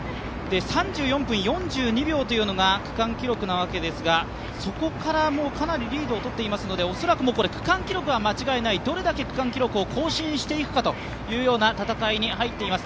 ３４分４２秒というのが区間記録なわけですがそこからもうかなりリードをとっていますのでおそらく区間記録は間違いない、どれだけ区間記録を更新していくかというような戦いに入っています。